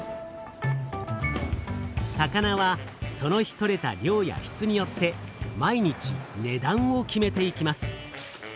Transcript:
魚はその日とれた量やしつによって毎日「値段」を決めていきます。